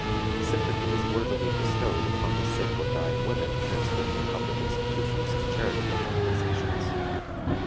Sympathy is worthily bestowed upon the sick or dying women transferred from public institutions to charitable organizations.